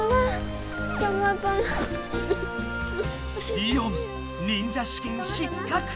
リオン忍者試験失格。